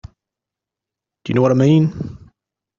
Do you know what I mean?